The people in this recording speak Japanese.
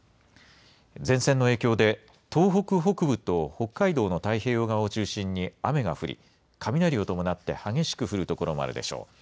前線の影響で、東北北部と北海道の太平洋側を中心に雨が降り、雷を伴って激しく降る所もあるでしょう。